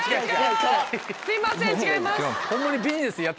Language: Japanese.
すいません違います。